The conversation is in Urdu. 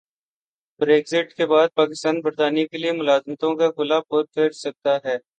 بریگزٹ کے بعد پاکستان برطانیہ کیلئے ملازمتوں کا خلا پر کرسکتا ہے